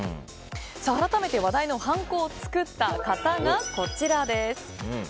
改めて話題のはんこを作った方がこちらです。